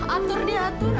atur dia atur